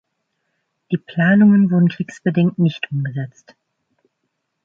Die Planungen wurden kriegsbedingt nicht umgesetzt.